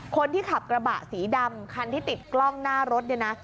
คนที่ขับกระบะสีดำคันที่ติดกล้องหน้ารถเนี่ยนะ